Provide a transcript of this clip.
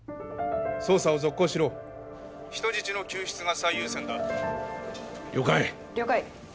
捜査を続行しろ人質の救出が最優先だ了解了解